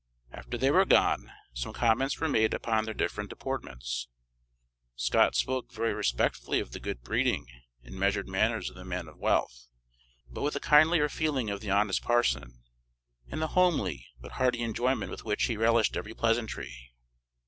After they were gone, some comments were made upon their different deportments. Scott spoke very respectfully of the good breeding and measured manners of the man of wealth, but with a kindlier feeling of the honest parson, and the homely but hearty enjoyment with which he relished every pleasantry.